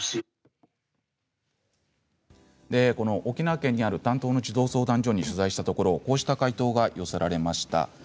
沖縄県にある担当の児童相談所に取材したところこうした回答が寄せられました。